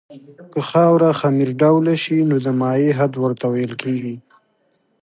که خاوره خمیر ډوله شي نو د مایع حد ورته ویل کیږي